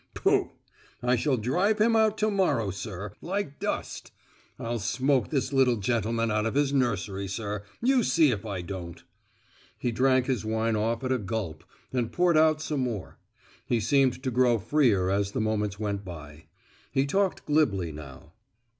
Pooh! I shall drive him out to morrow, sir, like dust. I'll smoke this little gentleman out of his nursery, sir; you see if I don't." He drank his wine off at a gulp, and poured out some more. He seemed to grow freer as the moments went by; he talked glibly now.